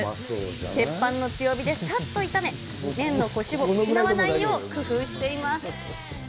鉄板の強火でさっと炒め、麺のこしを失わないよう工夫しています。